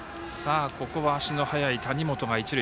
ここは足の速い谷本が一塁。